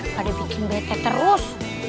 pada bikin bete terus